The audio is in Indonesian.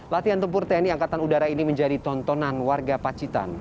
latihan tempur tni au ini menjadi tontonan warga pacitan